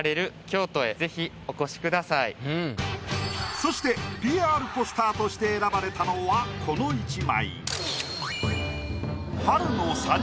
そしてＰＲポスターとして選ばれたのはこの１枚。